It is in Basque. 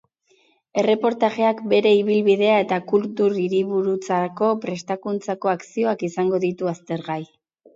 Erreportajeak bere ibilbidea eta kultur hiriburutzarako prestatutako akzioak izango ditu aztergai.